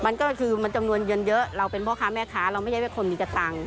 มันก็คือมันจำนวนเยอะเราเป็นพ่อค้าแม่ค้าเราไม่ใช่คนมีกระตัง